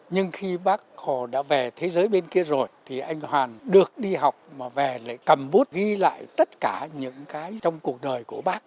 nhưng khi bác hồ đã về thế giới bên kia rồi thì anh hoàn được đi học mà về lại cầm bút ghi lại tất cả những cái trong cuộc đời của bác